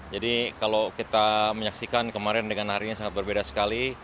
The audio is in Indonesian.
jadi kalau kita menyaksikan kemarin dengan hari ini sangat berbeda sekali